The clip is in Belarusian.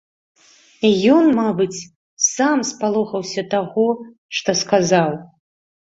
І ён, мабыць, сам спалохаўся таго, што сказаў.